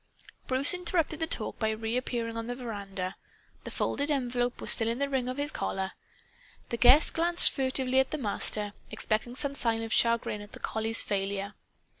Bruce interrupted the talk by reappearing on the veranda. The folded envelope was still in the ring on his collar. The guest glanced furtively at the Master, expecting some sign of chagrin at the collie's failure.